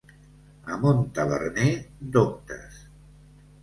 A Montaverner, doctes.